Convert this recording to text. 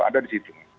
ada di situ